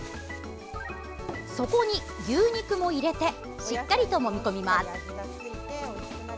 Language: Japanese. そこに、牛肉も入れてしっかりと、もみ込みます。